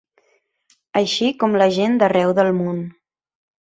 Així com la gent d’arreu del món.